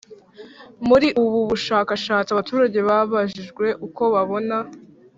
Muri ubu bushakashatsi abaturage babajijwe uko babona